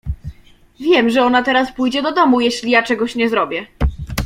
Wiem, że ona teraz pójdzie do domu, jeśli ja czegoś nie zrobię.